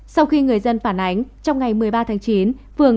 sau khi người dân phản ánh trong ngày một mươi ba tháng chín phường